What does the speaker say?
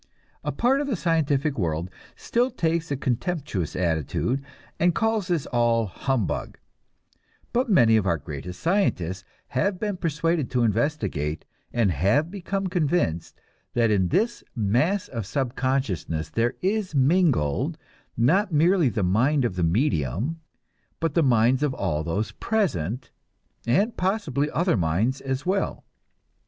A part of the scientific world still takes a contemptuous attitude and calls this all humbug, but many of our greatest scientists have been persuaded to investigate, and have become convinced that in this mass of subconsciousness there is mingled, not merely the mind of the medium, but the minds of all those present, and possibly other minds as well.